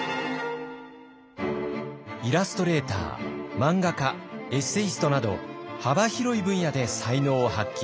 イラストレーター漫画家エッセイストなど幅広い分野で才能を発揮。